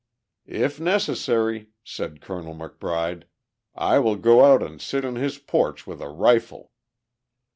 "If necessary," said Colonel McBride, "I will go out and sit on his porch with a rifle."